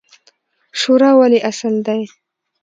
شورا ولې اصل دی؟